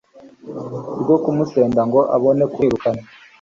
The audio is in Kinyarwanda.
rwo kumusenda, ngo abone kumwirukana